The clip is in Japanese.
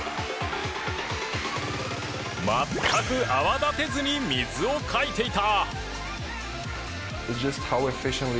全く泡立てずに水をかいていた！